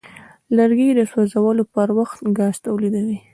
لرګی د سوځولو پر وخت ګاز تولیدوي.